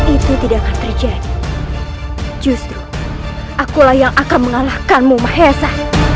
itu tidak akan terjadi justru akulah yang akan mengalahkanmu mahesa